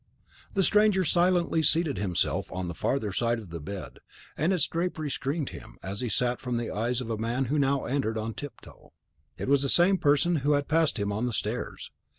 The stranger silently seated himself on the farther side of the bed, and its drapery screened him, as he sat, from the eyes of a man who now entered on tiptoe; it was the same person who had passed him on the stairs.